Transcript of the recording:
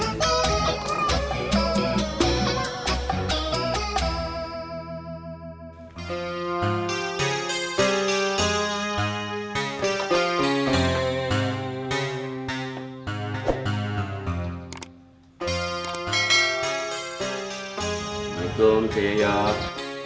assalamualaikum saya yaak